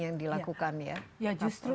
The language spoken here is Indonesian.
yang dilakukan ya justru